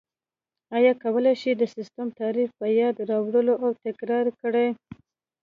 ایا کولای شئ د سیسټم تعریف په یاد راوړئ او تکرار یې کړئ؟